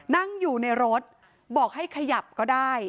นั่งอยู่ในรถบอกให้ขยับก็ได้